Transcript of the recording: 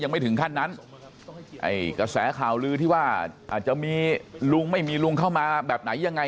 ไม่ถึงขั้นนั้นไอ้กระแสข่าวลือที่ว่าอาจจะมีลุงไม่มีลุงเข้ามาแบบไหนยังไง